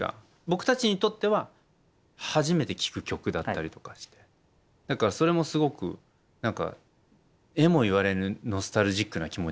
僕たちにとっては初めて聴く曲だったりとかしてそれもすごく何かえも言われぬノスタルジックな気持ちに包まれたのを思い出します。